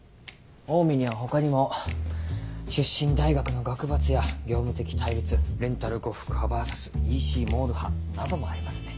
オウミには他にも出身大学の学閥や業務的対立レンタル呉服派ｖｓＥＣモール派などもありますね。